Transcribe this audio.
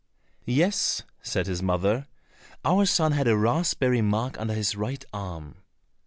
"Yes," said his mother, "our son had a raspberry mark under his right arm."